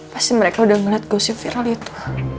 pasti mereka udah ngeliat gosip viral itu